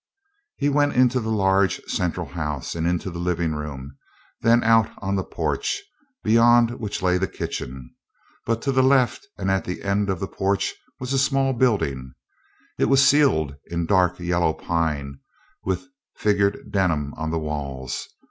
He went into the large central house and into the living room, then out on the porch, beyond which lay the kitchen. But to the left, and at the end of the porch, was a small building. It was ceiled in dark yellow pine, with figured denim on the walls.